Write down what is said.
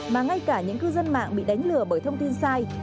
mà ngay cả những cư dân mạng bị đánh lừa bởi thông tin sai